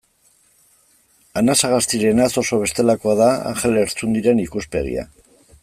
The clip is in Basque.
Anasagastirenaz oso bestelakoa da Anjel Lertxundiren ikuspegia.